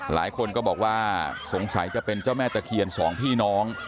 หลายคนก็บอกว่าสงสัยจะเป็นเจ้าแม่ตะเคียนสองพี่น้อง